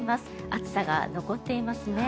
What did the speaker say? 暑さが残っていますね。